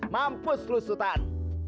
mampus lu sultan